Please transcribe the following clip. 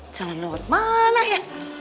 jalan lewat mana ya